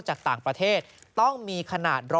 จากต่างประเทศต้องมีขนาด๑๐๐